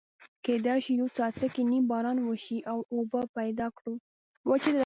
کېدای شي یو څاڅکی نیم باران وشي او اوبه پیدا کړو.